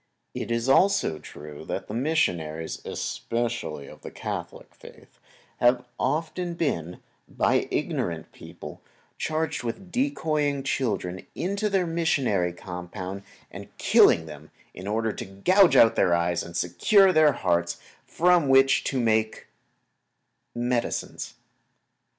It is also true that the missionaries, especially those of Catholic faith, have often been, by ignorant people, charged with decoying children into their missionary compound and then killing them in order to gouge their eyes out and secure their hearts from which to[Pg 171] make medicines.